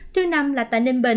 thứ năm là tại ninh bình